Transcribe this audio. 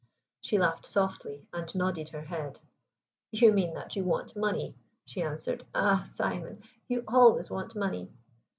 She laughed softly, and nodded her head. "You mean that you want money," she answered. "Ah, Simon, you always want money."